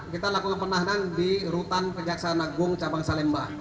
kita lakukan penahanan di rutan kejaksaan agung cabang salemba